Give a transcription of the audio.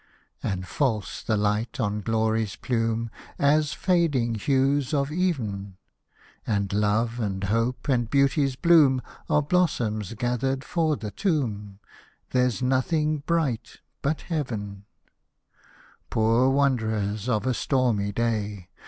And false the light on Glory's plume, As fading hues of Even ; And Love and Hope, and Beauty's bloom, Are blossoms gathered for the tomb — There's nothing bright, but Heaven I Poor wanderers of a stormy day